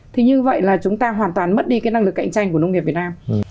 thì như vậy là chúng ta hoàn toàn mất đi cái năng lực cạnh tranh của nông nghiệp việt nam